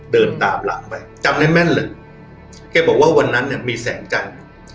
เดินตามหลังไปจำได้แม่นเลยแกบอกว่าวันนั้นเนี่ยมีแสงจันทร์